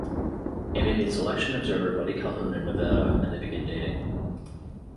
Amy meets election observer Buddy Calhoun in Nevada and they begin dating.